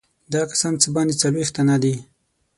دا کسان څه باندې څلوېښت تنه دي.